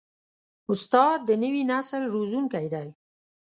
استاد د نوي نسل روزونکی دی.